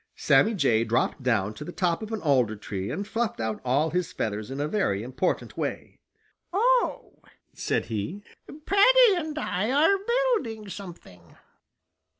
Sammy Jay dropped down to the top of an alder tree and fluffed out all his feathers in a very important way. "Oh," said he, "Paddy and I are building something!"